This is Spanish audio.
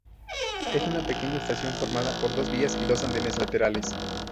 Es una pequeña estación formada por dos vías y dos andenes laterales.